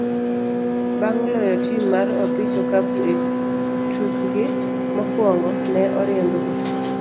bang' loyo tim mar opich okapu e tukgi mokwongo, ne oriembgi.